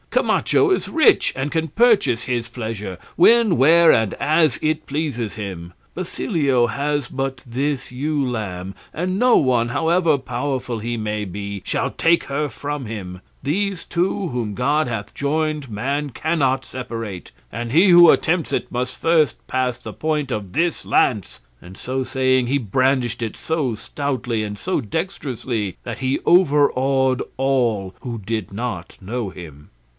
Camacho is rich, and can purchase his pleasure when, where, and as it pleases him. Basilio has but this ewe lamb, and no one, however powerful he may be, shall take her from him; these two whom God hath joined man cannot separate; and he who attempts it must first pass the point of this lance;" and so saying he brandished it so stoutly and dexterously that he overawed all who did not know him.